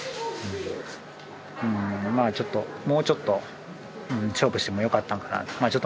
まあちょっともうちょっと勝負してもよかったんかな